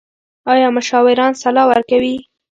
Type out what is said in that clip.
ایا مشاوران سلا ورکوي؟